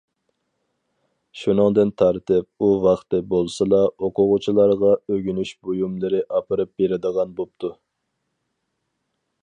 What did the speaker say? شۇنىڭدىن تارتىپ، ئۇ ۋاقتى بولسىلا، ئوقۇغۇچىلارغا ئۆگىنىش بۇيۇملىرى ئاپىرىپ بېرىدىغان بوپتۇ.